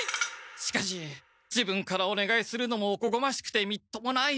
しかし自分からおねがいするのもおこがましくてみっともない。